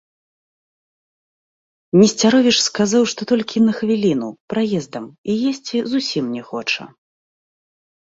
Несцяровіч сказаў, што толькі на хвіліну, праездам і есці зусім не хоча.